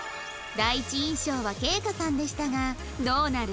第一印象は圭叶さんでしたがどうなる？